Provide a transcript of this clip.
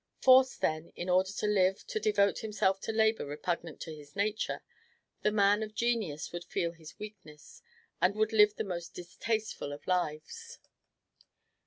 Forced, then, in order to live, to devote himself to labor repugnant to his nature, the man of genius would feel his weakness, and would live the most distasteful of lives.